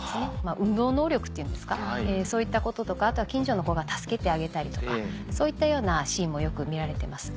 運動能力っていうんですかそういったこととかあとは近所の子が助けてあげたりとかそういったようなシーンもよく見られてます。